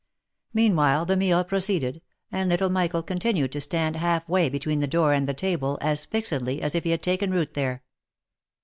Meanwhile, the meal proceeded, and little' Michael continued to stand half way between the door and the table, as fixedly as if he had taken root there.